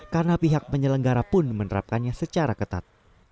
karena pihak penyelenggara pun menerapkannya secara ketat